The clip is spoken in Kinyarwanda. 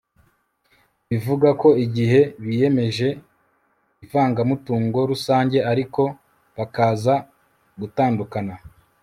bivuga ko igihe biyemeje ivangamutungo rusange ariko bakaza gutandukana